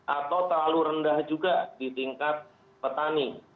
atau terlalu rendah juga di tingkat petani